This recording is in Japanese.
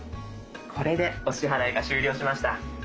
これでお支払いが終了しました。